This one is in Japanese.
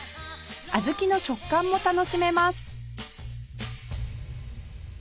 あずきの食感も楽しめます